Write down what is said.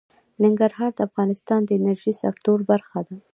ننګرهار د افغانستان د انرژۍ سکتور برخه ده.